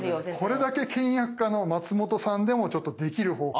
これだけ倹約家の松本さんでもちょっとできる方法。